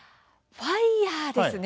ファイアーですね。